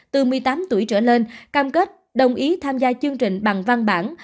từ một mươi tám tuổi trở lên cam kết đồng ý tham gia chương trình bằng văn bản